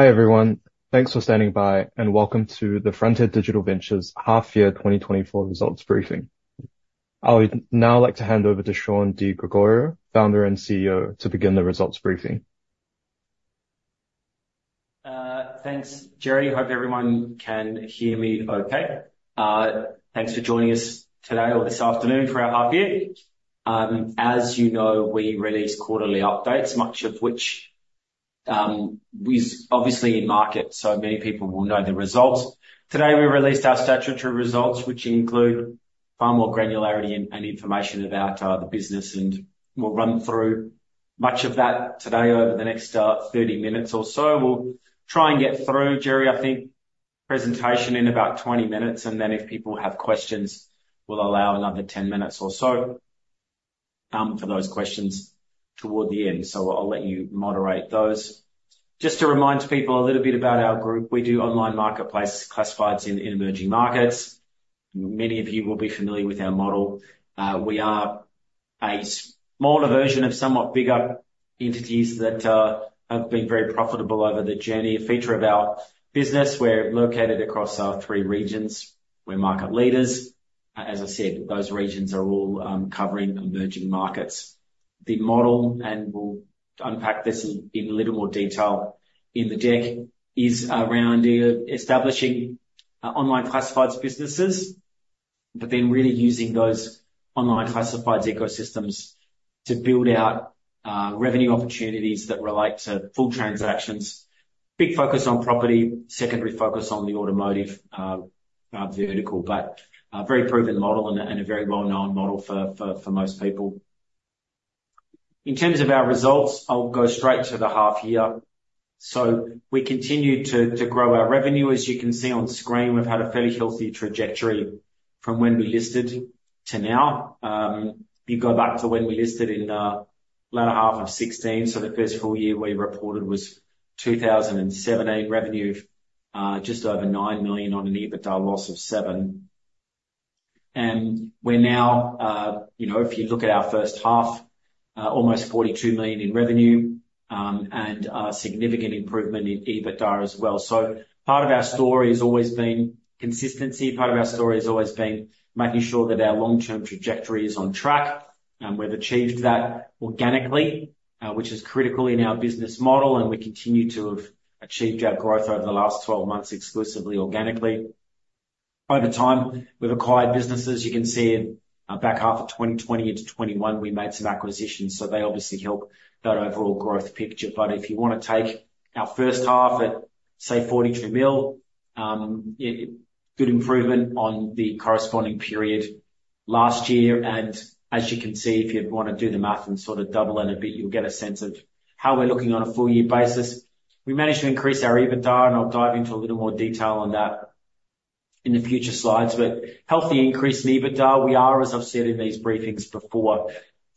...Hi, everyone. Thanks for standing by, and welcome to the Frontier Digital Ventures Half Year 2024 Results Briefing. I would now like to hand over to Shaun Di Gregorio, Founder and CEO, to begin the results briefing. Thanks, Jerry. Hope everyone can hear me okay. Thanks for joining us today or this afternoon for our half year. As you know, we release quarterly updates, much of which is obviously in market, so many people will know the results. Today, we released our statutory results, which include far more granularity and information about the business, and we'll run through much of that today over the next 30 minutes or so. We'll try and get through, Jerry, I think, presentation in about 20 minutes, and then if people have questions, we'll allow another 10 minutes or so for those questions toward the end. So I'll let you moderate those. Just to remind people a little bit about our group, we do online marketplace classifieds in emerging markets. Many of you will be familiar with our model. We are a smaller version of somewhat bigger entities that have been very profitable over the journey. A feature of our business, we're located across three regions. We're market leaders. As I said, those regions are all covering emerging markets. The model, and we'll unpack this in a little more detail in the deck, is around establishing online classifieds businesses, but then really using those online classifieds ecosystems to build out revenue opportunities that relate to full transactions. Big focus on property, secondary focus on the automotive vertical, but a very proven model and a very well-known model for most people. In terms of our results, I'll go straight to the half year. So we continue to grow our revenue. As you can see on screen, we've had a fairly healthy trajectory from when we listed to now. You go back to when we listed in latter half of 2016, so the first full year we reported was 2017. Revenue just over 9 million on an EBITDA loss of 7. And we're now, you know, if you look at our H1, almost 42 million in revenue, and a significant improvement in EBITDA as well. So part of our story has always been consistency. Part of our story has always been making sure that our long-term trajectory is on track, and we've achieved that organically, which is critical in our business model, and we continue to have achieved our growth over the last 12 months, exclusively, organically. Over time, we've acquired businesses. You can see in the back half of 2020 into 2021, we made some acquisitions, so they obviously help that overall growth picture, but if you wanna take our H1 at, say, 42 million, good improvement on the corresponding period last year, and as you can see, if you'd wanna do the math and sort of double it a bit, you'll get a sense of how we're looking on a full year basis. We managed to increase our EBITDA, and I'll dive into a little more detail on that in the future slides, but healthy increase in EBITDA. We are, as I've said in these briefings before,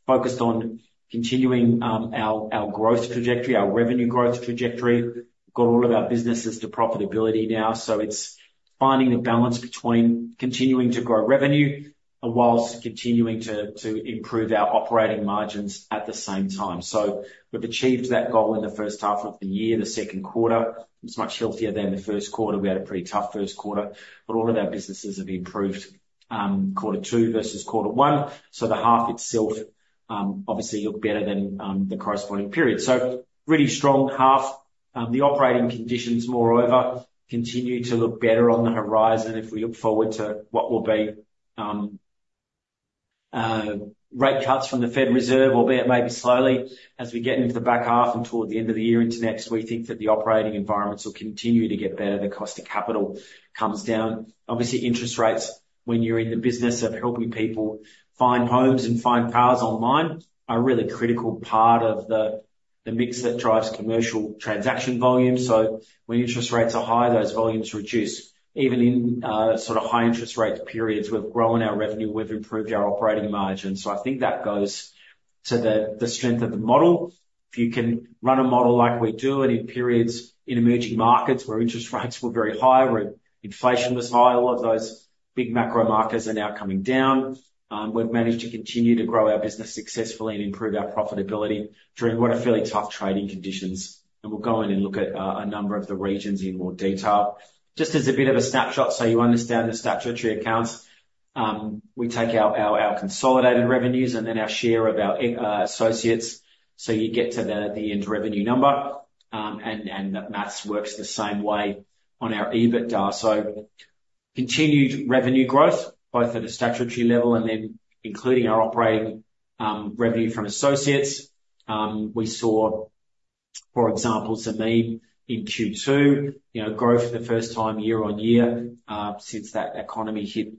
focused on continuing our growth trajectory, our revenue growth trajectory. Got all of our businesses to profitability now, so it's finding a balance between continuing to grow revenue and while continuing to improve our operating margins at the same time. So we've achieved that goal in the H1 of the year. The Q2 was much healthier than the Q1. We had a pretty tough Q1, but all of our businesses have improved, Q2 versus Q1, so the half itself, obviously looked better than, the corresponding period. So really strong half. The operating conditions, moreover, continue to look better on the horizon if we look forward to what will be, rate cuts from the Federal Reserve, albeit maybe slowly, as we get into the back half and toward the end of the year into next, we think that the operating environments will continue to get better. The cost of capital comes down. Obviously, interest rates, when you're in the business of helping people find homes and find cars online, are a really critical part of the mix that drives commercial transaction volume, so when interest rates are high, those volumes reduce. Even in sort of high interest rate periods, we've grown our revenue, we've improved our operating margins, so I think that goes to the strength of the model. If you can run a model like we do, and in periods in emerging markets where interest rates were very high, where inflation was high, all of those big macro markets are now coming down, we've managed to continue to grow our business successfully and improve our profitability during what are fairly tough trading conditions, and we'll go in and look at a number of the regions in more detail. Just as a bit of a snapshot so you understand the statutory accounts, we take our consolidated revenues and then our share of our associates, so you get to the end revenue number, and the math works the same way on our EBITDA, so continued revenue growth, both at a statutory level and then including our operating revenue from associates. We saw, for example, Zameen in Q2, you know, grow for the first time year-on-year, since that economy hit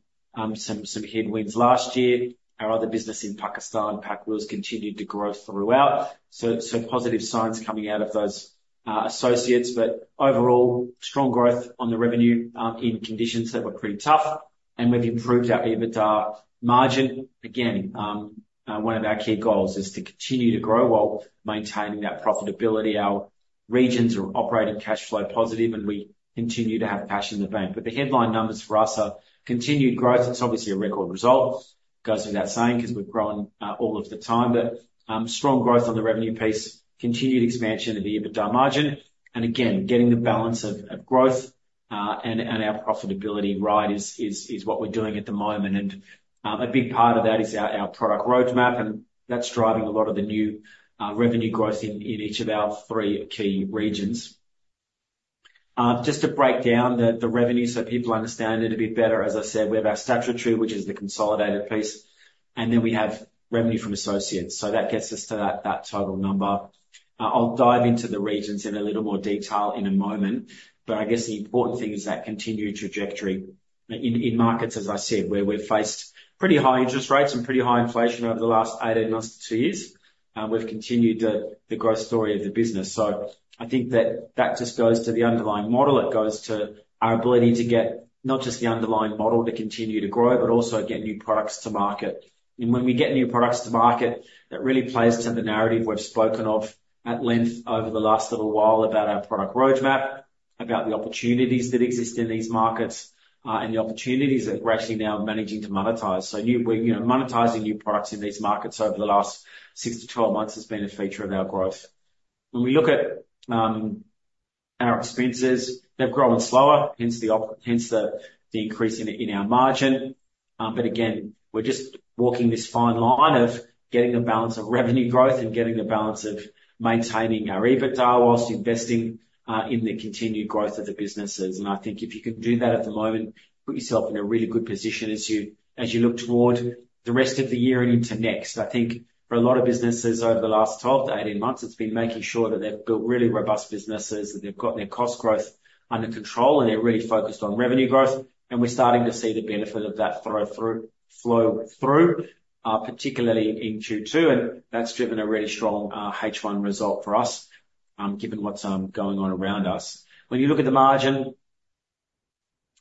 some headwinds last year. Our other business in Pakistan, PakWheels, continued to grow throughout, so positive signs coming out of those associates, but overall, strong growth on the revenue in conditions that were pretty tough and we've improved our EBITDA margin. Again, one of our key goals is to continue to grow while maintaining that profitability. Our regions are operating cash flow positive, and we continue to have cash in the bank but the headline numbers for us are continued growth. It's obviously a record result, goes without saying, 'cause we're growing all of the time but strong growth on the revenue piece, continued expansion of the EBITDA margin, and again, getting the balance of growth and our profitability right is what we're doing at the moment and a big part of that is our product roadmap, and that's driving a lot of the new revenue growth in each of our three key regions. Just to break down the revenue so people understand it a bit better, as I said, we have our statutory, which is the consolidated piece, and then we have revenue from associates, so that gets us to that total number. I'll dive into the regions in a little more detail in a moment, but I guess the important thing is that continued trajectory in markets, as I said, where we've faced pretty high interest rates and pretty high inflation over the last 18 months to 2 years. We've continued the growth story of the business, so I think that just goes to the underlying model. It goes to our ability to get not just the underlying model to continue to grow, but also get new products to market. When we get new products to market, that really plays to the narrative we've spoken of at length over the last little while about our product roadmap, about the opportunities that exist in these markets, and the opportunities that we're actually now managing to monetize. We're, you know, monetizing new products in these markets over the last 6 - 12 months has been a feature of our growth. When we look at our expenses, they've grown slower, hence the increase in our margin. Again, we're just walking this fine line of getting a balance of revenue growth and getting the balance of maintaining our EBITDA while investing in the continued growth of the businesses. I think if you can do that at the moment, put yourself in a really good position as you look toward the rest of the year and into next. I think for a lot of businesses over the last 12 - 18 months, it's been making sure that they've built really robust businesses, and they've got their cost growth under control, and they're really focused on revenue growth, and we're starting to see the benefit of that flow through particularly in Q2, and that's driven a really strong H1 result for us, given what's going on around us. When you look at the margin,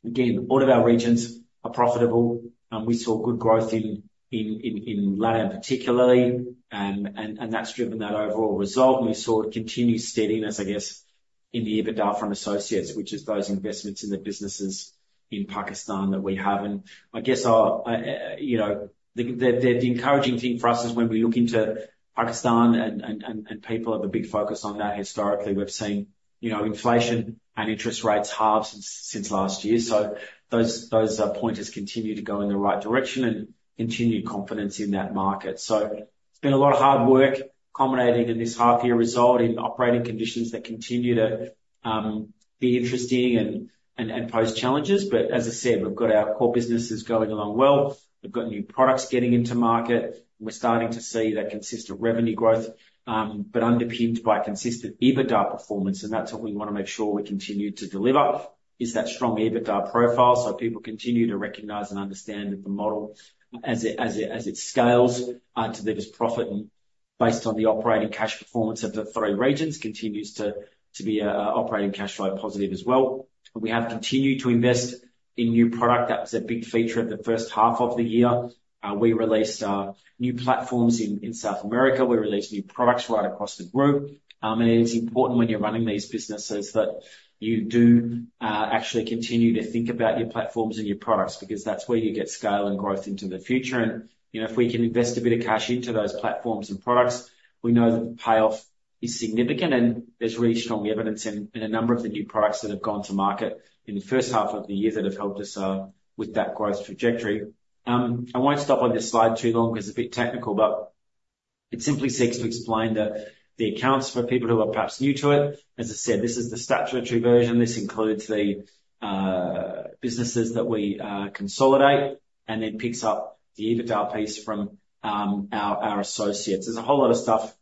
again, all of our regions are profitable, and we saw good growth in LATAM particularly, and that's driven that overall result. We saw a continued steadiness, I guess, in the EBITDA from associates, which is those investments in the businesses in Pakistan that we have. I guess our, you know, the encouraging thing for us is when we look into Pakistan, and people have a big focus on that. Historically, we've seen, you know, inflation and interest rates halve since last year. So those pointers continue to go in the right direction and continued confidence in that market. So it's been a lot of hard work culminating in this half year result in operating conditions that continue to be interesting and pose challenges. But as I said, we've got our core businesses going along well. We've got new products getting into market. We're starting to see that consistent revenue growth, but underpinned by consistent EBITDA performance, and that's what we want to make sure we continue to deliver, is that strong EBITDA profile. So people continue to recognize and understand that the model as it scales, delivers profit based on the operating cash performance of the three regions, continues to be a operating cash flow positive as well. We have continued to invest in new product. That was a big feature of the first half of the year. We released new platforms in South America. We released new products right across the group. And it is important when you're running these businesses, that you do actually continue to think about your platforms and your products, because that's where you get scale and growth into the future. You know, if we can invest a bit of cash into those platforms and products, we know that the payoff is significant, and there's really strong evidence in a number of the new products that have gone to market in the H1 of the year that have helped us with that growth trajectory. I won't stop on this slide too long because it's a bit technical, but it simply seeks to explain the accounts for people who are perhaps new to it. As I said, this is the statutory version. This includes the businesses that we consolidate, and then picks up the EBITDA piece from our associates. There's a whole lot of stuff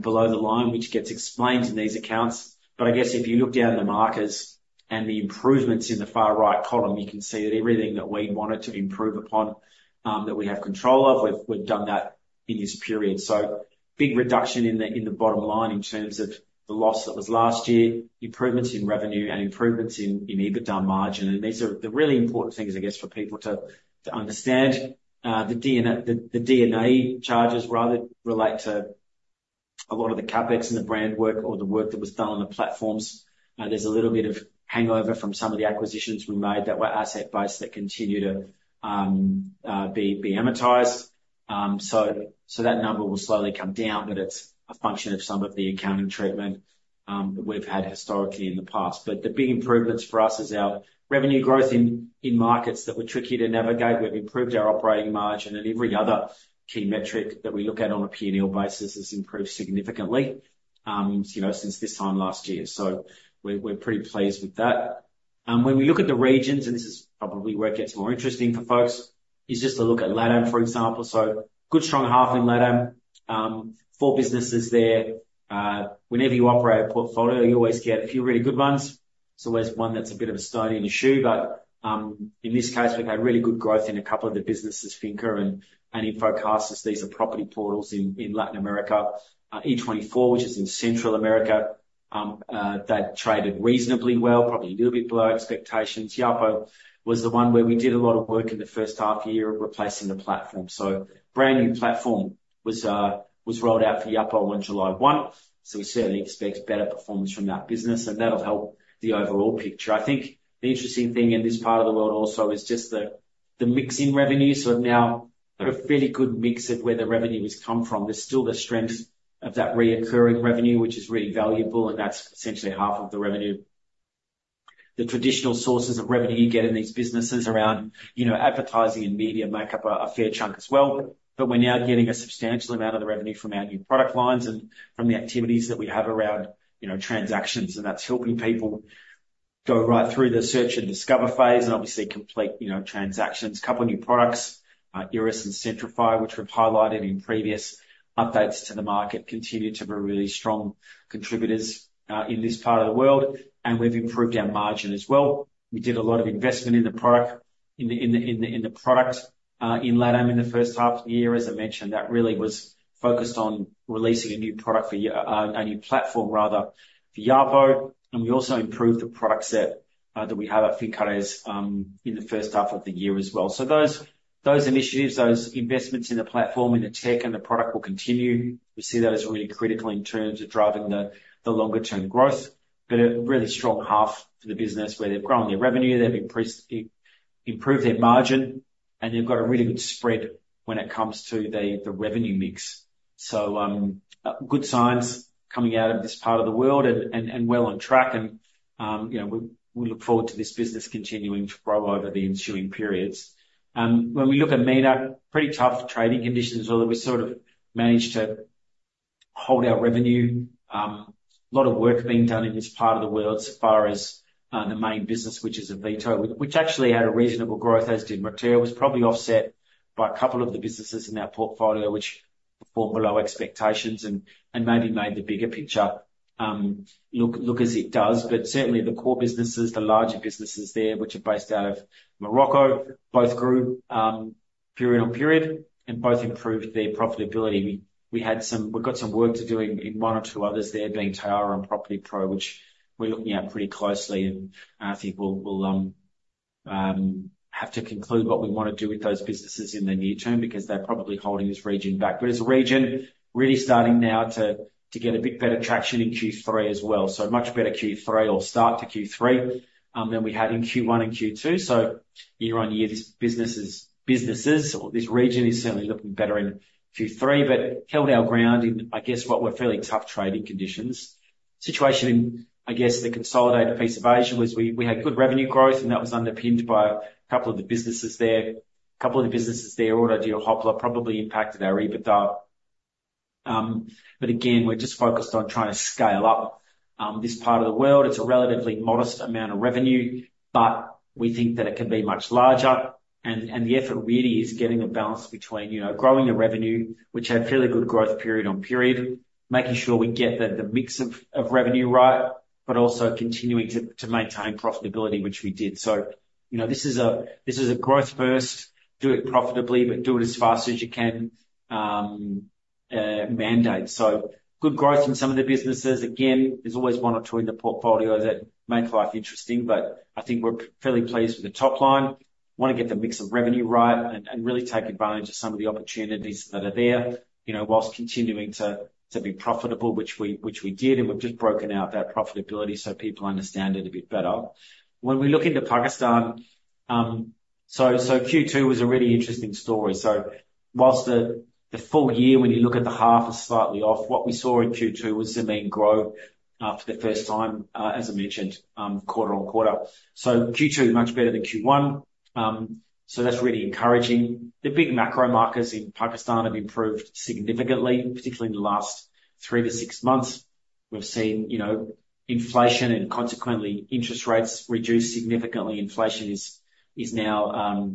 below the line, which gets explained in these accounts, but I guess if you look down the markers and the improvements in the far right column, you can see that everything that we wanted to improve upon that we have control of, we've done that in this period, so big reduction in the bottom line in terms of the loss that was last year, improvements in revenue and improvements in EBITDA margin, and these are the really important things, I guess, for people to understand. The D&A charges rather relate to a lot of the CapEx and the brand work or the work that was done on the platforms. There's a little bit of hangover from some of the acquisitions we made that were asset-based that continue to be amortized, so that number will slowly come down, but it's a function of some of the accounting treatment that we've had historically in the past. But the big improvements for us is our revenue growth in markets that were trickier to navigate. We've improved our operating margin, and every other key metric that we look at on a P&L basis has improved significantly, you know, since this time last year, so we're pretty pleased with that. When we look at the regions, and this is probably where it gets more interesting for folks, is just to look at LATAM, for example. So good, strong half in LATAM. Four businesses there. Whenever you operate a portfolio, you always get a few really good ones. There's always one that's a bit of a stone in your shoe, but in this case, we've had really good growth in a couple of the businesses, FINCA and Infocasas. These are property portals in Latin America. E24, which is in Central America, that traded reasonably well, probably a little bit below expectations. Yapo was the one where we did a lot of work in the first half year, replacing the platform. So brand-new platform was rolled out for Yapo on July 1. So we certainly expect better performance from that business, and that'll help the overall picture. I think the interesting thing in this part of the world also is just the-... The mix in revenue, so now got a fairly good mix of where the revenue has come from. There's still the strength of that recurring revenue, which is really valuable, and that's essentially half of the revenue. The traditional sources of revenue you get in these businesses around, you know, advertising and media make up a, a fair chunk as well. But we're now getting a substantial amount of the revenue from our new product lines and from the activities that we have around, you know, transactions, and that's helping people go right through the search and discover phase, and obviously complete, you know, transactions. A couple of new products, Iris and Centrify, which we've highlighted in previous updates to the market, continue to be really strong contributors, in this part of the world, and we've improved our margin as well. We did a lot of investment in the product in LATAM in the H1 of the year, as I mentioned. That really was focused on releasing a new platform rather for Yapo, and we also improved the product set that we have at Fincaraíz in the H1 of the year as well, so those initiatives, those investments in the platform, in the tech, and the product will continue. We see those really critical in terms of driving the longer term growth, but a really strong half for the business where they've grown their revenue, they've increased, improved their margin, and they've got a really good spread when it comes to the revenue mix. So, good signs coming out of this part of the world and well on track, and you know, we look forward to this business continuing to grow over the ensuing periods. When we look at MENAT, pretty tough trading conditions, although we sort of managed to hold our revenue. A lot of work being done in this part of the world so far as the main business, which is Avito, which actually had a reasonable growth, as did Moteur. It was probably offset by a couple of the businesses in our portfolio, which performed below expectations and maybe made the bigger picture look as it does. But certainly the core businesses, the larger businesses there, which are based out of Morocco, both grew period on period, and both improved their profitability. We've got some work to do in one or two others there, being Tayara and PropertyPro, which we're looking at pretty closely, and I think we'll have to conclude what we want to do with those businesses in the near term, because they're probably holding this region back, but as a region, really starting now to get a bit better traction in Q3 as well, so much better Q3 or start to Q3 than we had in Q1 and Q2, so year-on-year, this business is, businesses or this region is certainly looking better in Q3, but held our ground in, I guess, what were fairly tough trading conditions. The situation in, I guess, the consolidated piece of Asia was we had good revenue growth, and that was underpinned by a couple of the businesses there. A couple of the businesses there, AutoDeal, Hoppler, probably impacted our EBITDA. But again, we're just focused on trying to scale up this part of the world. It's a relatively modest amount of revenue, but we think that it can be much larger, and the effort really is getting a balance between, you know, growing your revenue, which had fairly good growth period on period. Making sure we get the mix of revenue right, but also continuing to maintain profitability, which we did. You know, this is a growth first, do it profitably, but do it as fast as you can, mandate. Good growth in some of the businesses. Again, there's always one or two in the portfolio that make life interesting, but I think we're fairly pleased with the top line. Want to get the mix of revenue right and really take advantage of some of the opportunities that are there, you know, while continuing to be profitable, which we did, and we've just broken out that profitability so people understand it a bit better. When we look into Pakistan, so Q2 was a really interesting story. So while the full year, when you look at the half, is slightly off, what we saw in Q2 was Zameen grow for the first time, as I mentioned, quarter on quarter. So Q2 much better than Q1, so that's really encouraging. The big macro markets in Pakistan have improved significantly, particularly in the last three to six months. We've seen, you know, inflation and consequently interest rates reduce significantly. Inflation is now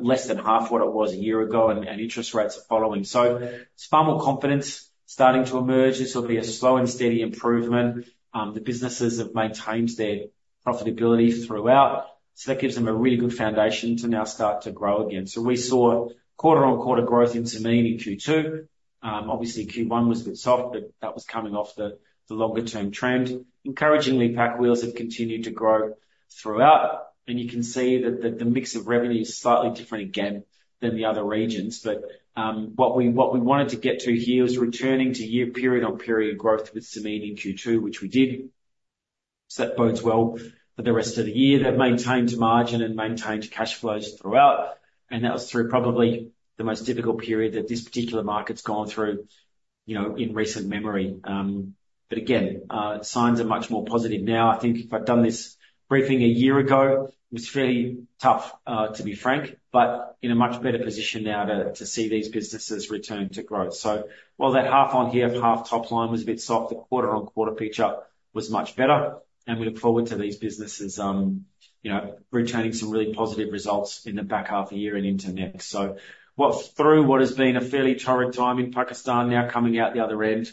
less than half what it was a year ago, and interest rates are following. So there's far more confidence starting to emerge. This will be a slow and steady improvement. The businesses have maintained their profitability throughout, so that gives them a really good foundation to now start to grow again. So we saw quarter-on-quarter growth in Zameen in Q2. Obviously Q1 was a bit soft, but that was coming off the longer term trend. Encouragingly, PakWheels have continued to grow throughout, and you can see that the mix of revenue is slightly different again than the other regions. But what we wanted to get to here is returning to year period-on-period growth with Zameen in Q2, which we did. So that bodes well for the rest of the year. They've maintained margin and maintained cash flows throughout, and that was through probably the most difficult period that this particular market's gone through, you know, in recent memory. But again, signs are much more positive now. I think if I'd done this briefing a year ago, it was fairly tough, to be frank, but in a much better position now to see these businesses return to growth. So while that year-on-year, half top line was a bit soft, the quarter-on-quarter picture was much better, and we look forward to these businesses, you know, returning some really positive results in the back half of the year and into next. So well through what has been a fairly torrid time in Pakistan, now coming out the other end,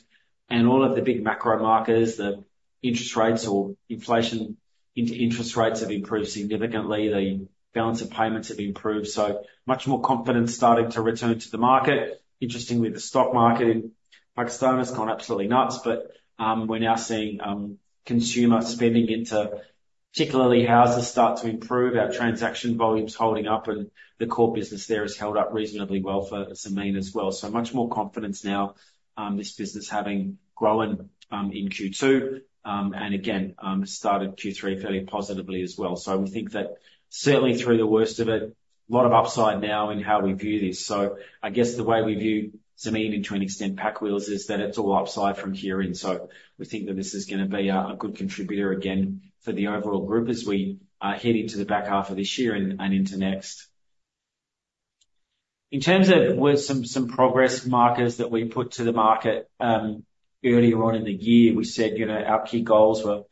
and all of the big macro markers, the interest rates, inflation, interest rates, have improved significantly. The balance of payments have improved, so much more confidence starting to return to the market. Interestingly, the stock market in Pakistan has gone absolutely nuts, but we're now seeing consumer spending into particularly houses start to improve, our transaction volumes holding up, and the core business there has held up reasonably well for Zameen as well. So much more confidence now, this business having grown in Q2, and again, started Q3 fairly positively as well. So we think that certainly through the worst of it.... A lot of upside now in how we view this. So I guess the way we view Zameen, and to an extent, PakWheels, is that it's all upside from here in. So we think that this is gonna be a good contributor again for the overall group as we head into the back half of this year and into next. In terms of some progress markers that we put to the market earlier on in the year, we said, you know, our key goals were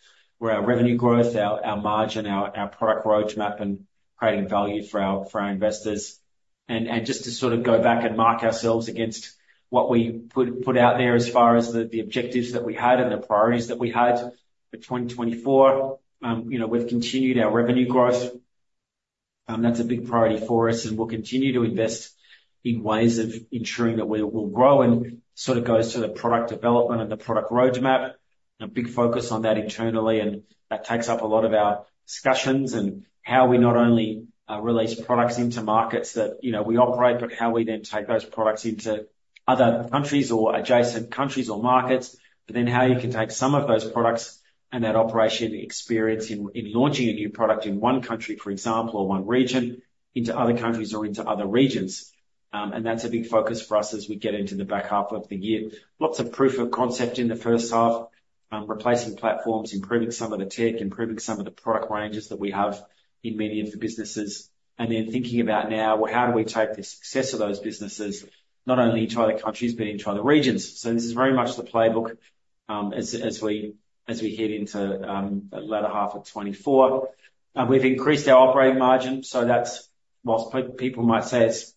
our revenue growth, our margin, our product roadmap, and creating value for our investors. And just to sort of go back and mark ourselves against what we put out there as far as the objectives that we had and the priorities that we had for 2024. You know, we've continued our revenue growth, that's a big priority for us, and we'll continue to invest in ways of ensuring that we will grow and sort of goes to the product development and the product roadmap. A big focus on that internally, and that takes up a lot of our discussions on how we not only release products into markets that, you know, we operate, but how we then take those products into other countries or adjacent countries or markets, but then how you can take some of those products and that operation experience in launching a new product in one country, for example, or one region into other countries or into other regions. And that's a big focus for us as we get into the back half of the year. Lots of proof of concept in the H1, replacing platforms, improving some of the tech, improving some of the product ranges that we have in many of the businesses, and then thinking about now, well, how do we take the success of those businesses, not only into other countries but into other regions, so this is very much the playbook, as we head into the latter half of 2024. We've increased our operating margin, so that's, while people might say it's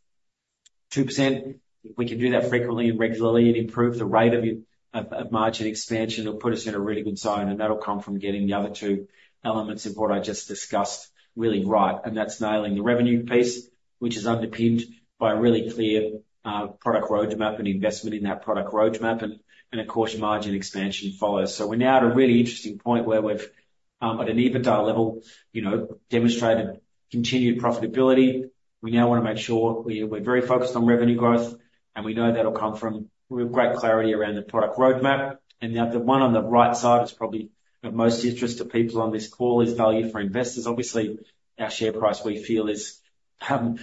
2%, we can do that frequently and regularly and improve the rate of margin expansion will put us in a really good zone, and that'll come from getting the other two elements of what I just discussed really right. That's nailing the revenue piece, which is underpinned by a really clear product roadmap and investment in that product roadmap, and of course, margin expansion follows. We're now at a really interesting point where we've at an EBITDA level, you know, demonstrated continued profitability. We now want to make sure we're very focused on revenue growth, and we know that'll come from... We have great clarity around the product roadmap, and now the one on the right side is probably of most interest to people on this call, is value for investors. Obviously, our share price, we feel, is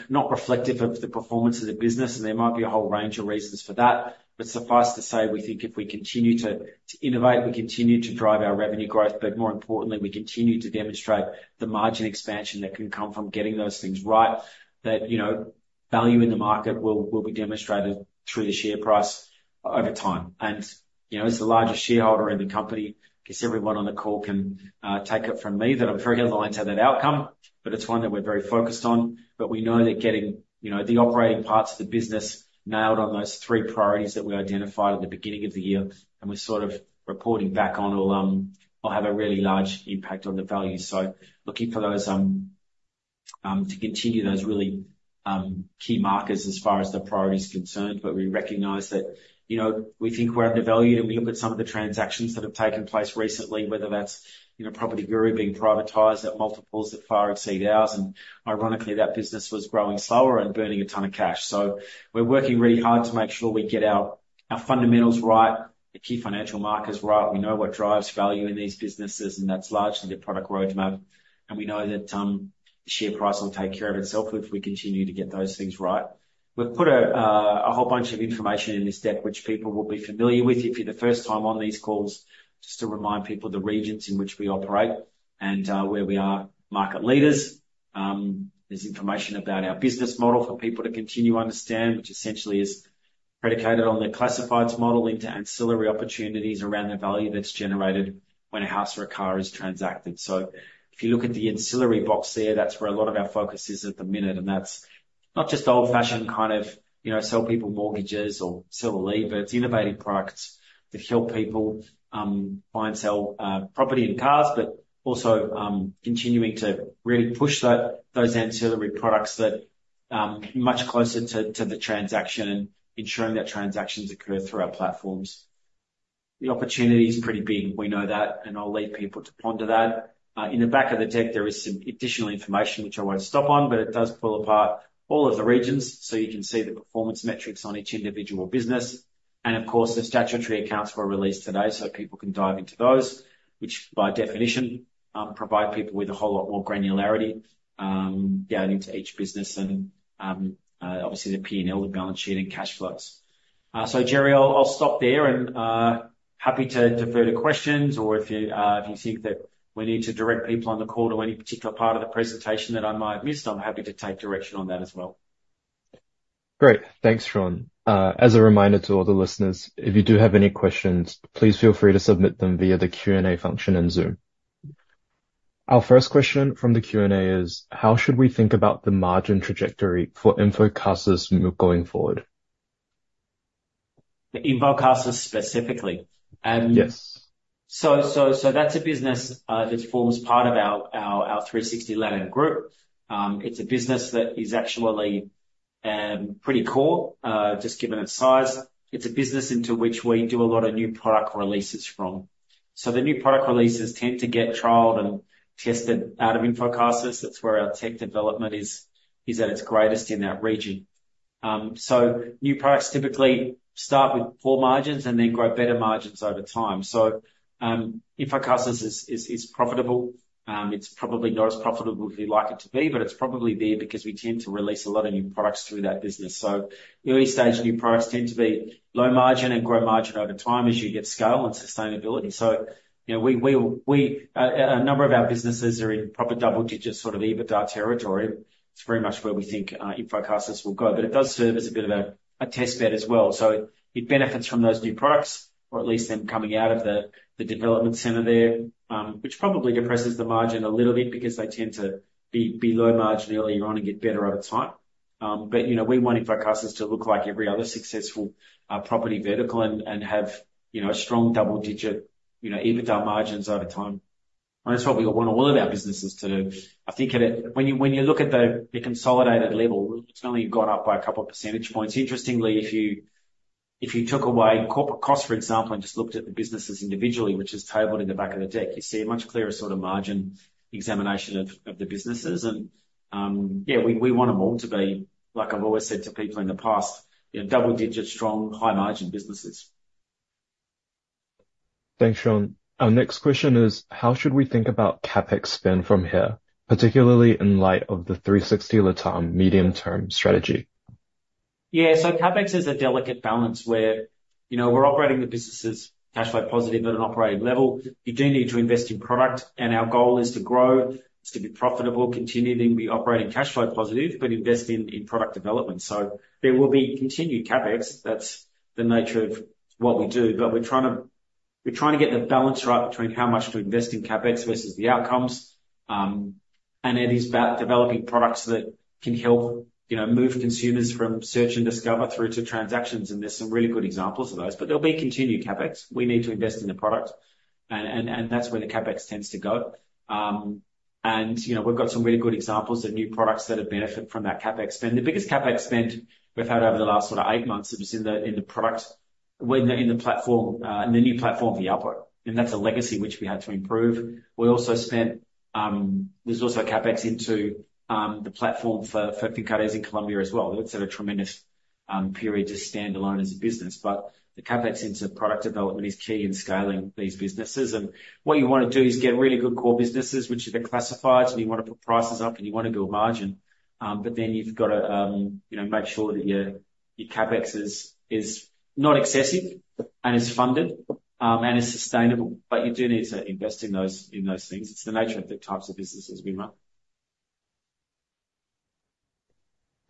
not reflective of the performance of the business, and there might be a whole range of reasons for that. But suffice to say, we think if we continue to innovate, we continue to drive our revenue growth, but more importantly, we continue to demonstrate the margin expansion that can come from getting those things right, that you know, value in the market will be demonstrated through the share price over time. And you know, as the largest shareholder in the company, I guess everyone on the call can take it from me that I'm very aligned to that outcome, but it's one that we're very focused on. But we know that getting you know, the operating parts of the business nailed on those three priorities that we identified at the beginning of the year, and we're sort of reporting back on will have a really large impact on the value. So looking for those, to continue those really, key markers as far as the priority is concerned, but we recognize that, you know, we think we're undervalued, and we look at some of the transactions that have taken place recently, whether that's, you know, PropertyGuru being privatized at multiples that far exceed ours, and ironically, that business was growing slower and burning a ton of cash. So we're working really hard to make sure we get our fundamentals right, the key financial markers right. We know what drives value in these businesses, and that's largely the product roadmap, and we know that, the share price will take care of itself if we continue to get those things right. We've put a whole bunch of information in this deck, which people will be familiar with. If you're the first time on these calls, just to remind people, the regions in which we operate and where we are market leaders. There's information about our business model for people to continue to understand, which essentially is predicated on the classifieds model into ancillary opportunities around the value that's generated when a house or a car is transacted. So if you look at the ancillary box there, that's where a lot of our focus is at the minute, and that's not just old-fashioned, kind of, you know, sell people mortgages or sell a lease, but it's innovative products that help people buy and sell property and cars, but also continuing to really push that, those ancillary products that much closer to the transaction and ensuring that transactions occur through our platforms. The opportunity is pretty big. We know that, and I'll leave people to ponder that. In the back of the deck, there is some additional information, which I won't stop on, but it does pull apart all of the regions, so you can see the performance metrics on each individual business. And of course, the statutory accounts were released today, so people can dive into those, which by definition provide people with a whole lot more granularity down into each business and obviously the P&L, the balance sheet, and cash flows. So Jerry, I'll stop there, and happy to defer to questions or if you think that we need to direct people on the call to any particular part of the presentation that I might have missed, I'm happy to take direction on that as well. Great. Thanks, Shaun. As a reminder to all the listeners, if you do have any questions, please feel free to submit them via the Q&A function in Zoom. Our first question from the Q&A is: How should we think about the margin trajectory for InfoCasas going forward? The InfoCasas specifically? Yes. So that's a business that forms part of our 360 LATAM group. It's a business that is actually pretty core just given its size. It's a business into which we do a lot of new product releases from. So the new product releases tend to get trialed and tested out of InfoCasas. That's where our tech development is at its greatest in that region. So new products typically start with poor margins and then grow better margins over time. So InfoCasas is profitable. It's probably not as profitable as we'd like it to be, but it's probably there because we tend to release a lot of new products through that business. So early-stage new products tend to be low margin and grow margin over time as you get scale and sustainability. So you know, a number of our businesses are in proper double digits, sort of, EBITDA territory. It's very much where we think InfoCasas will go, but it does serve as a bit of a test bed as well. So it benefits from those new products, or at least them coming out of the development center there, which probably depresses the margin a little bit because they tend to be low margin early on and get better over time. But, you know, we want InfoCasas to look like every other successful property vertical and have, you know, strong double digit, you know, EBITDA margins over time. And that's what we want all of our businesses to do. I think at a when you look at the consolidated level, it's only gone up by a couple of percentage points. Interestingly, if you took away corporate costs, for example, and just looked at the businesses individually, which is tabled in the back of the deck, you see a much clearer sort of margin examination of the businesses. Yeah, we want them all to be, like I've always said to people in the past, you know, double-digit, strong, high-margin businesses. Thanks, Shaun. Our next question is: How should we think about CapEx spend from here, particularly in light of the 360 LATAM medium-term strategy? Yeah. So CapEx is a delicate balance where, you know, we're operating the businesses cash flow positive at an operating level. You do need to invest in product, and our goal is to grow, is to be profitable, continue to be operating cash flow positive, but invest in product development. So there will be continued CapEx. That's the nature of what we do, but we're trying to get the balance right between how much to invest in CapEx versus the outcomes. And it is about developing products that can help, you know, move consumers from search and discover through to transactions, and there's some really good examples of those, but there'll be continued CapEx. We need to invest in the product, and that's where the CapEx tends to go. And, you know, we've got some really good examples of new products that have benefited from that CapEx spend. The biggest CapEx spend we've had over the last sort of eight months was in the product, in the platform, in the new platform, the output, and that's a legacy which we had to improve. We also spent. There's also CapEx into the platform for Fincaraíz in Colombia as well. It's had a tremendous period to stand alone as a business, but the CapEx into product development is key in scaling these businesses. And what you want to do is get really good core businesses, which are the classifieds, and you want to put prices up, and you want to build margin, but then you've got to, you know, make sure that your CapEx is not excessive and is funded, and is sustainable. But you do need to invest in those things. It's the nature of the types of businesses we run.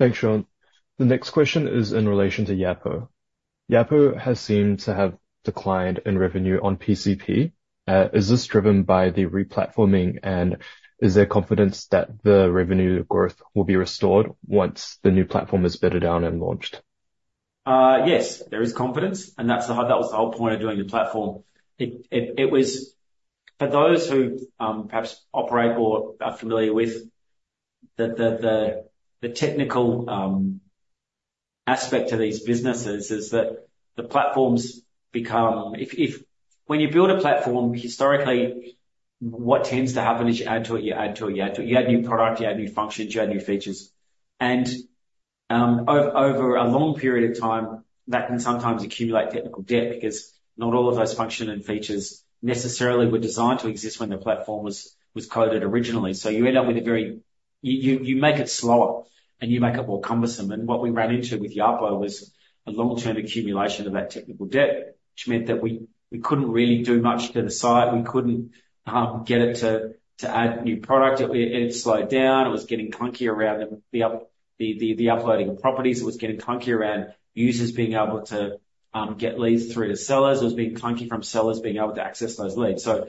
Thanks, Shaun. The next question is in relation to Yapo. Yapo has seemed to have declined in revenue on PCP. Is this driven by the re-platforming, and is there confidence that the revenue growth will be restored once the new platform is bedded down and launched? Yes, there is confidence, and that was the whole point of doing the platform. It was for those who perhaps operate or are familiar with the technical aspect to these businesses, is that the platforms become. If, when you build a platform, historically, what tends to happen is you add to it, you add to it, you add to it, you add new product, you add new functions, you add new features. Over a long period of time, that can sometimes accumulate technical debt, because not all of those function and features necessarily were designed to exist when the platform was coded originally. So you end up with a very. You make it slow, and you make it more cumbersome. And what we ran into with Yapo was a long-term accumulation of that technical debt, which meant that we couldn't really do much to the site. We couldn't get it to add new product. It slowed down. It was getting clunky around the uploading of properties. It was getting clunky around users being able to get leads through to sellers. It was being clunky from sellers being able to access those leads. So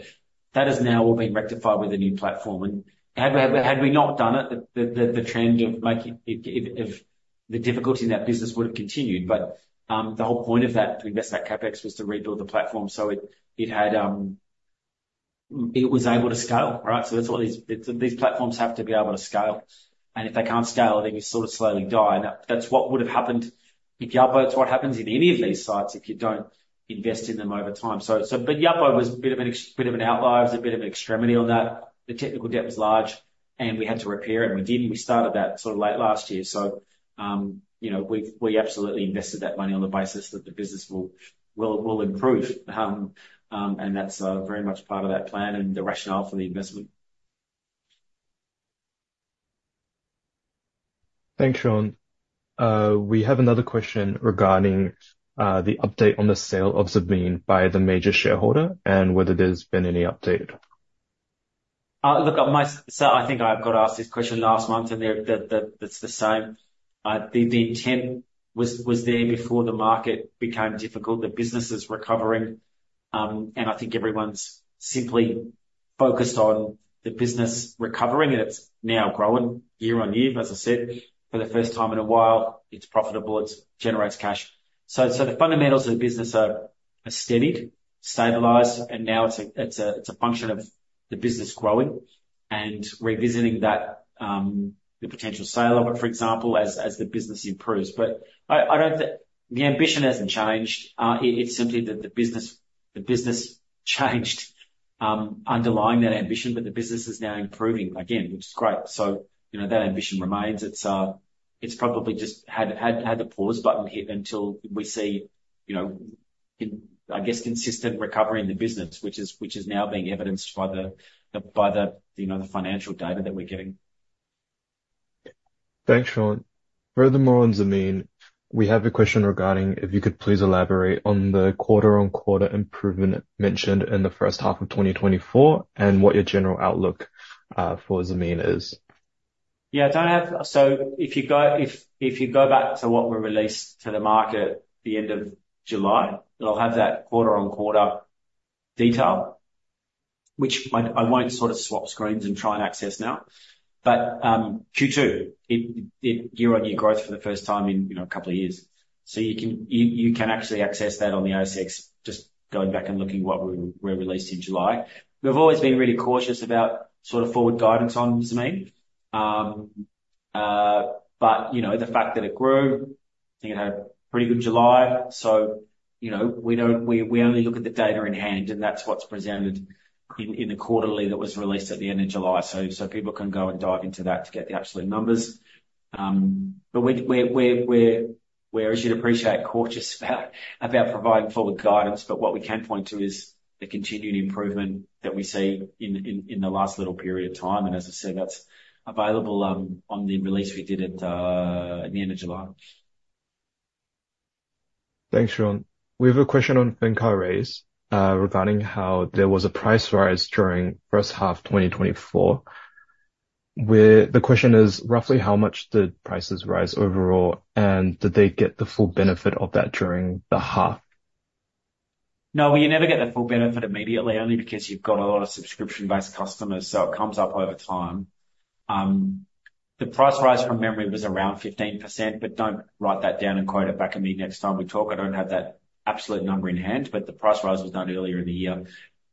that has now all been rectified with the new platform, and had we not done it, the trend of making it the difficulty in that business would have continued. But the whole point of that, to invest that CapEx, was to rebuild the platform. So it was able to scale, right? That's what these platforms have to be able to scale, and if they can't scale, then you sort of slowly die. That's what would have happened if Yapo. It's what happens in any of these sites if you don't invest in them over time. But Yapo was a bit of an outlier. It was a bit of an extremity on that. The technical debt was large, and we had to repair, and we did, and we started that sort of late last year. You know, we absolutely invested that money on the basis that the business will improve. That's very much part of that plan and the rationale for the investment. Thanks, Shaun. We have another question regarding the update on the sale of Zameen by the major shareholder and whether there's been any update. Look, so I think I got asked this question last month, and it's the same. The intent was there before the market became difficult. The business is recovering, and I think everyone's simply focused on the business recovering, and it's now growing year on year. As I said, for the first time in a while, it's profitable, it generates cash. So the fundamentals of the business are steadied, stabilized, and now it's a function of the business growing and revisiting that, the potential sale of it, for example, as the business improves. But I don't think the ambition hasn't changed. It's simply that the business changed underlying that ambition, but the business is now improving again, which is great. You know, that ambition remains. It's probably just had the pause button hit until we see, you know, in, I guess, consistent recovery in the business, which is now being evidenced by the, you know, the financial data that we're getting. Thanks, Shaun. Furthermore on Zameen, we have a question regarding if you could please elaborate on the quarter-on-quarter improvement mentioned in the H1 of 2024, and what your general outlook for Zameen is? Yeah. So if you go back to what we released to the market the end of July, it'll have that quarter-on-quarter detail, which I won't sort of swap screens and try and access now, but Q2 it year-on-year growth for the first time in, you know, a couple of years. So you can actually access that on the ASX, just going back and looking what we released in July. We've always been really cautious about sort of forward guidance on Zameen, but you know the fact that it grew, I think it had a pretty good July. So you know we don't... We only look at the data in hand, and that's what's presented in the quarterly that was released at the end of July. So people can go and dive into that to get the absolute numbers. But we're, as you'd appreciate, cautious about providing forward guidance, but what we can point to is the continued improvement that we see in the last little period of time, and as I said, that's available on the release we did at the end of July. Thanks, Shaun. We have a question on Fincaraíz, regarding how there was a price rise during H1 2024, where the question is: Roughly how much did prices rise overall, and did they get the full benefit of that during the half? No, well, you never get the full benefit immediately, only because you've got a lot of subscription-based customers, so it comes up over time. The price rise from memory was around 15%, but don't write that down and quote it back at me next time we talk. I don't have that absolute number in hand, but the price rise was done earlier in the year.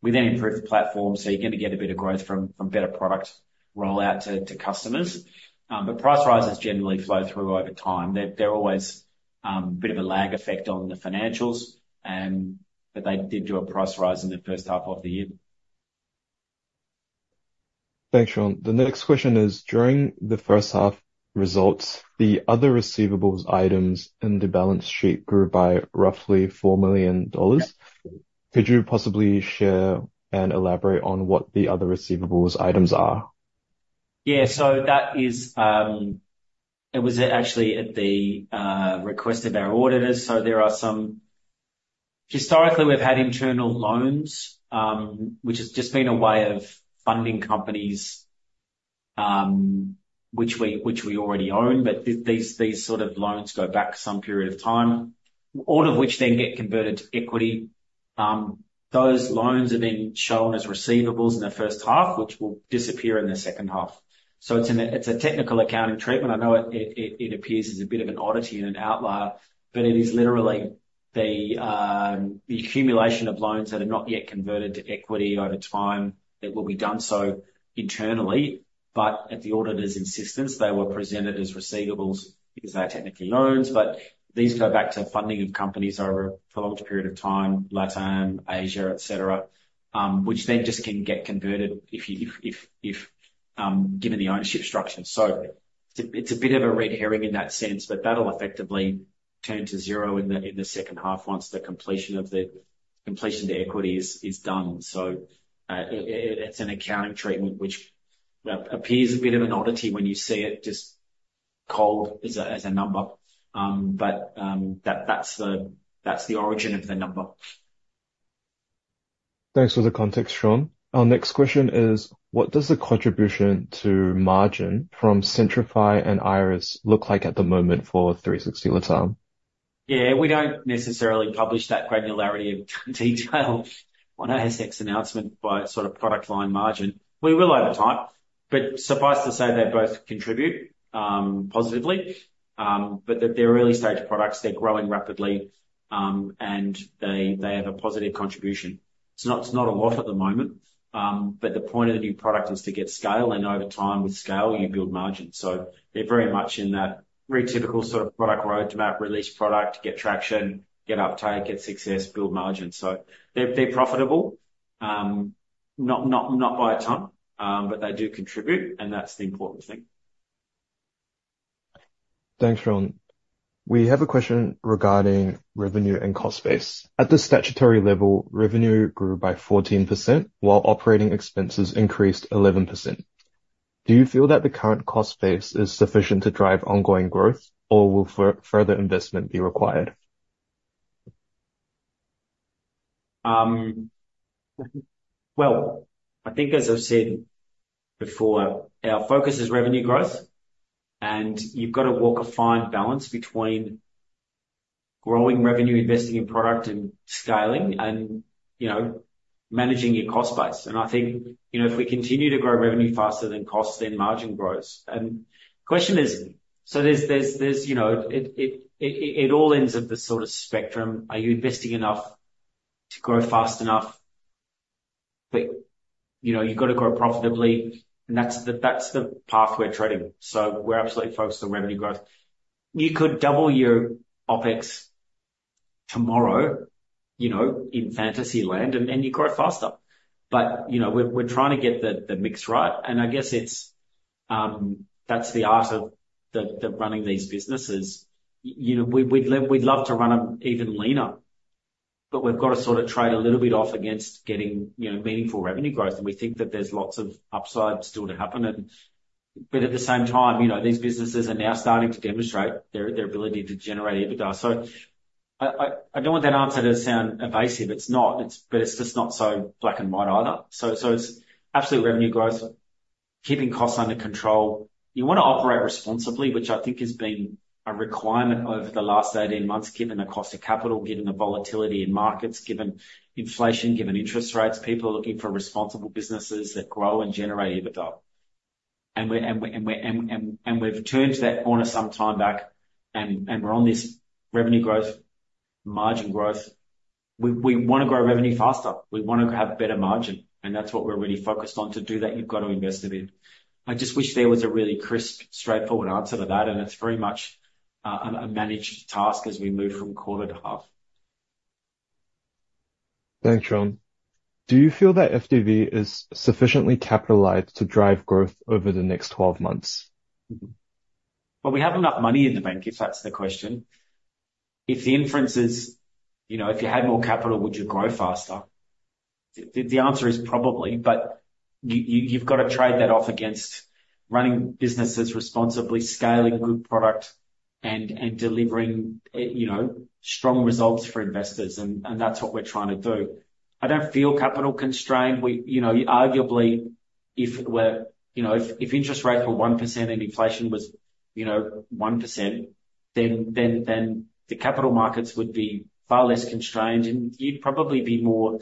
We then improved the platform, so you're going to get a bit of growth from better product rollout to customers. But price rises generally flow through over time. They're always a bit of a lag effect on the financials, and but they did do a price rise in the H1 of the year. Thanks, Shaun. The next question is, during the H1 results, the other receivables items in the balance sheet grew by roughly 4 million dollars. Yep. Could you possibly share and elaborate on what the other receivables items are? Yeah. So that is, it was actually at the request of our auditors, so there are some. Historically, we've had internal loans, which has just been a way of funding companies, which we already own, but these sort of loans go back some period of time, all of which then get converted to equity. Those loans are then shown as receivables in the H1, which will disappear in the H2. So it's a technical accounting treatment. I know it appears as a bit of an oddity and an outlier, but it is literally the accumulation of loans that are not yet converted to equity over time. It will be done so internally, but at the auditors' insistence, they were presented as receivables because they are technically loans, but these go back to funding of companies over a prolonged period of time, LATAM, Asia, et cetera, which then just can get converted if you, given the ownership structure. So it's a bit of a red herring in that sense, but that'll effectively turn to zero in the H2 once the completion to equity is done. So, it, it's an accounting treatment which appears a bit of an oddity when you see it, just cold as a number. But, that's the origin of the number. Thanks for the context, Shaun. Our next question is: What does the contribution to margin from Centrify and IRIS look like at the moment for 360 LATAM? Yeah, we don't necessarily publish that granularity of detail on our ASX announcement by sort of product line margin. We will over time, but suffice to say, they both contribute positively, but they're early-stage products, they're growing rapidly, and they have a positive contribution. It's not a lot at the moment, but the point of the new product is to get scale, and over time, with scale, you build margin, so they're very much in that very typical sort of product roadmap, release product, get traction, get uptake, get success, build margin, so they're profitable, not by a ton, but they do contribute, and that's the important thing. Thanks, Shaun. We have a question regarding revenue and cost base. At the statutory level, revenue grew by 14%, while operating expenses increased 11%. Do you feel that the current cost base is sufficient to drive ongoing growth, or will further investment be required? Well, I think, as I've said before, our focus is revenue growth, and you've got to walk a fine balance between growing revenue, investing in product, and scaling and, you know, managing your cost base. And I think, you know, if we continue to grow revenue faster than costs, then margin grows. And the question is, so there's, you know, it all ends at this sort of spectrum. Are you investing enough to grow fast enough? But, you know, you've got to grow profitably, and that's the path we're treading, so we're absolutely focused on revenue growth. You could double your OpEx tomorrow, you know, in fantasy land, and you grow faster. But, you know, we're trying to get the mix right, and I guess it's, that's the art of the running these businesses. You know, we'd love to run them even leaner, but we've got to sort of trade a little bit off against getting, you know, meaningful revenue growth, and we think that there's lots of upside still to happen and. But at the same time, you know, these businesses are now starting to demonstrate their ability to generate EBITDA. I don't want that answer to sound evasive. It's not. It's, but it's just not so black and white either. So it's absolute revenue growth, keeping costs under control. You want to operate responsibly, which I think has been a requirement over the last 18 months, given the cost of capital, given the volatility in markets, given inflation, given interest rates. People are looking for responsible businesses that grow and generate EBITDA. We've turned to that corner some time back, and we're on this revenue growth, margin growth. We want to grow revenue faster. We want to have better margin, and that's what we're really focused on. To do that, you've got to invest in it. I just wish there was a really crisp, straightforward answer to that, and it's very much a managed task as we move from quarter to half. Thanks, Shaun. Do you feel that FDV is sufficiently capitalized to drive growth over the next 12 months? We have enough money in the bank, if that's the question. If the inference is, you know, if you had more capital, would you grow faster? The answer is probably, but you've got to trade that off against running businesses responsibly, scaling good product, and delivering, you know, strong results for investors, and that's what we're trying to do. I don't feel capital constrained. We, you know, arguably, if interest rates were 1% and inflation was, you know, 1%, then the capital markets would be far less constrained, and you'd probably be more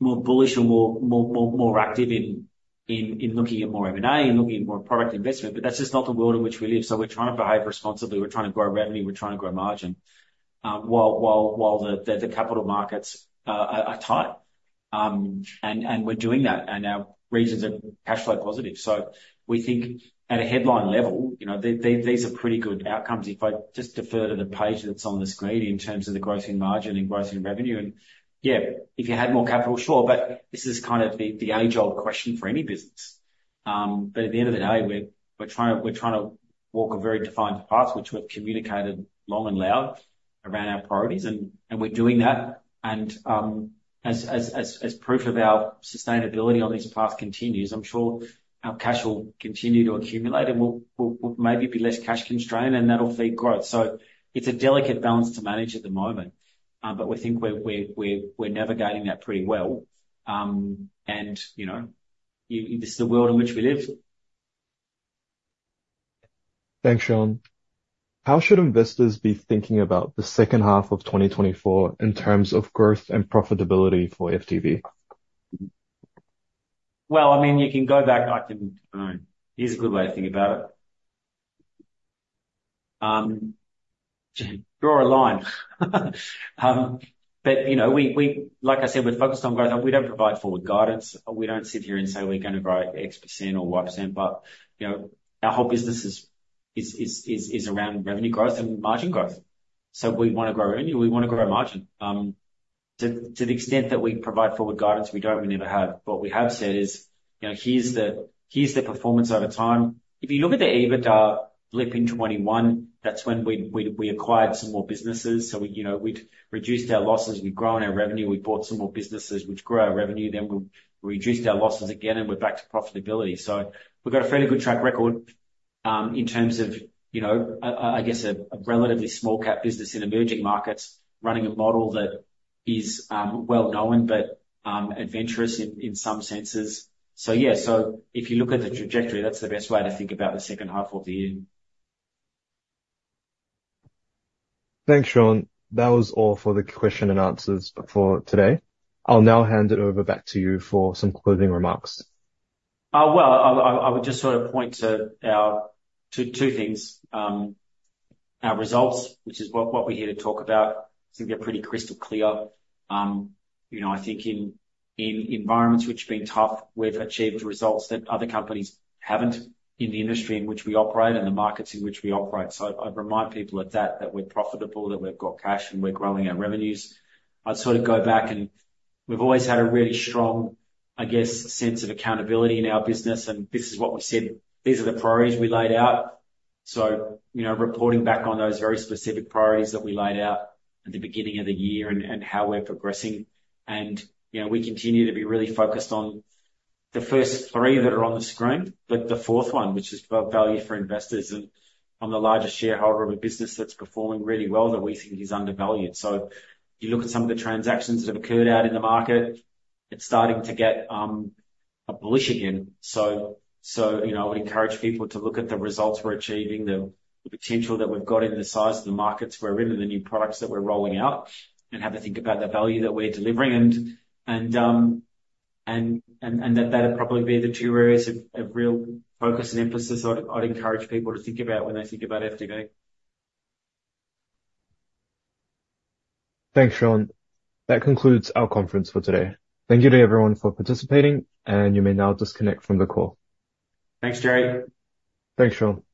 bullish and more active in looking at more M&A and looking at more product investment. But that's just not the world in which we live. So we're trying to behave responsibly, we're trying to grow revenue, we're trying to grow margin, while the capital markets are tight. And we're doing that, and our regions are cash flow positive. We think at a headline level, you know, these are pretty good outcomes. If I just defer to the page that's on the screen in terms of the growth in margin and growth in revenue, and yeah, if you had more capital, sure, but this is kind of the age-old question for any business. But at the end of the day, we're trying to walk a very defined path, which we've communicated long and loud around our priorities, and we're doing that. As proof of our sustainability on this path continues, I'm sure our cash will continue to accumulate, and we'll maybe be less cash constrained, and that'll feed growth. So it's a delicate balance to manage at the moment, but we think we're navigating that pretty well. And, you know, this is the world in which we live. Thanks, Shaun. How should investors be thinking about the H2 of 2024 in terms of growth and profitability for FTV? Well, I mean, you can go back, I can. Here's a good way to think about it. Draw a line. But you know, like I said, we're focused on growth. We don't provide forward guidance. We don't sit here and say we're gonna grow X% or Y%, but you know, our whole business is around revenue growth and margin growth. So we want to grow revenue, we want to grow margin. To the extent that we provide forward guidance, we don't. We never have. What we have said is, you know, here's the performance over time. If you look at the EBITDA blip in 2021, that's when we acquired some more businesses. So you know, we'd reduced our losses. We'd grown our revenue. We bought some more businesses, which grew our revenue. Then we reduced our losses again, and we're back to profitability. So we've got a fairly good track record, in terms of, you know, I guess a relatively small cap business in emerging markets, running a model that is, well known but, adventurous in some senses. So, yeah, so if you look at the trajectory, that's the best way to think about the H2 of the year. Thanks, Shaun. That was all for the question and answers for today. I'll now hand it over back to you for some closing remarks. Well, I would just sort of point to our two things. Our results, which is what we're here to talk about. I think they're pretty crystal clear. You know, I think in environments which have been tough, we've achieved results that other companies haven't in the industry in which we operate and the markets in which we operate. So I'd remind people that we're profitable, that we've got cash, and we're growing our revenues. I'd sort of go back and we've always had a really strong, I guess, sense of accountability in our business, and this is what we've said. These are the priorities we laid out. So, you know, reporting back on those very specific priorities that we laid out at the beginning of the year and how we're progressing. And you know, we continue to be really focused on the first three that are on the screen, but the fourth one, which is about value for investors and I'm the largest shareholder of a business that's performing really well that we think is undervalued. So you look at some of the transactions that have occurred out in the market. It's starting to get bullish again. So you know, I would encourage people to look at the results we're achieving, the potential that we've got in the size of the markets we're in, and the new products that we're rolling out, and have a think about the value that we're delivering. And that would probably be the two areas of real focus and emphasis I'd encourage people to think about when they think about FTV. Thanks, Shaun. That concludes our conference for today. Thank you to everyone for participating, and you may now disconnect from the call. Thanks, Jerry. Thanks, Shaun.